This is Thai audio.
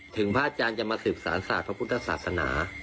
พระอาจารย์จะมาสืบสารศาสตร์พระพุทธศาสนา